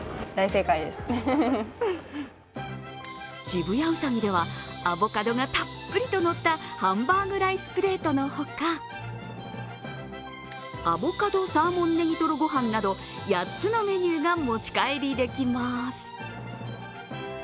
渋谷ウサギではアボカドがたっぷりとのったハンバーグライスプレートのほかアボカドサーモンネギとろごはんなど８つのメニューが持ち帰りできます